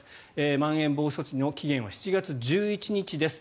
まん延防止措置の期限は７月１１日です。